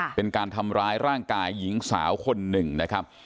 เป็นการทำร้ายร่างกายหญิงสาวคนหนึ่งนะครับ